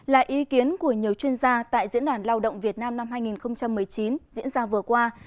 là ý kiến của nhiều chuyên gia tại diễn đàn lao động việt nam năm hai nghìn một mươi chín diễn ra vừa qua